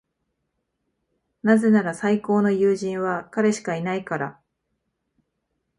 なぜなら、最高の友人は彼しかいないから。